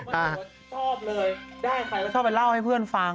ได้ใครเขาชอบไปเล่าให้เพื่อนฟัง